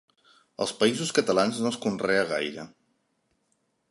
Als Països Catalans no es conrea gaire.